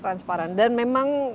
transparan dan memang